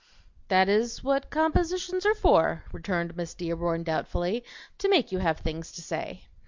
"That is what compositions are for," returned Miss Dearborn doubtfully; "to make you have things to say.